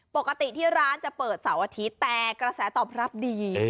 ปกติที่ร้านจะเปิดเสาร์อาทิตย์แต่กระแสตอบรับดี